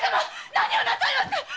何をなされます！？